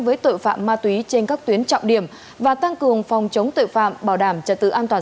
với tội phạm ma túy trên các tuyến trọng điểm và tăng cường phòng chống tội phạm bảo đảm trật tự an toàn